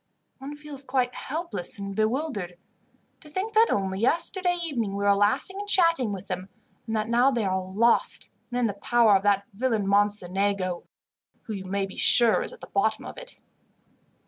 "One feels quite helpless and bewildered. To think that only yesterday evening we were laughing and chatting with them, and that now they are lost, and in the power of that villain Mocenigo, who you may be sure is at the bottom of it.